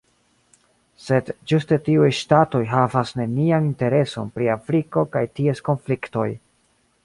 Sed ĝuste tiuj ŝtatoj havas nenian intereson pri Afriko kaj ties konfliktoj.